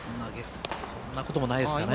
そんなこともないですかね。